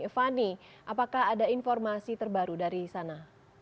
fani apakah ada informasi terbaru dari sana